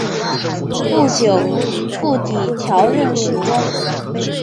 不久傅祗调任侍中。